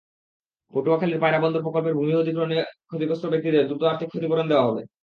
পটুয়াখালীর পায়রা বন্দর প্রকল্পের ভূমি অধিগ্রহণে ক্ষতিগ্রস্ত ব্যক্তিদের দ্রুত আর্থিক ক্ষতিপূরণ দেওয়া হবে।